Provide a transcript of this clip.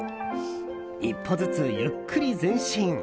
１歩ずつゆっくり前進。